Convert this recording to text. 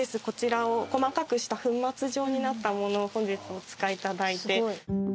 こちらを細かくした粉末状になったものを本日お使いいただいて。